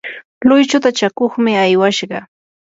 luychuta chakuqmi aywashqa.